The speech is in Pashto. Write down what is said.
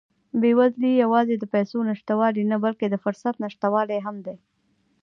بېوزلي یوازې د پیسو نشتوالی نه، بلکې د فرصت نشتوالی هم دی.